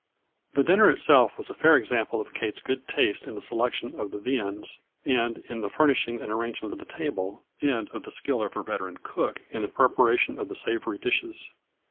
A FLURRY IN DIAMONDS. 141 The dinner itself was a fair example of Kate's good taste in the selection of the viands, and in the furnishing and arrangement of the table, and of the skill of her veteran cook in the prepara tion of the savory dishes.